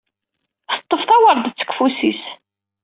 Teṭṭef tawerḍet deg ufus-is.